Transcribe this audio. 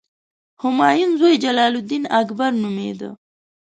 همایون زوی جلال الدین اکبر نومېده.